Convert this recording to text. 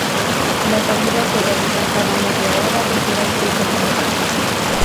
Las salidas se realizan cada media hora y duran siete minutos.